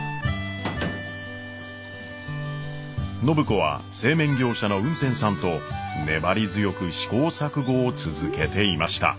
暢子は製麺業者の運天さんと粘り強く試行錯誤を続けていました。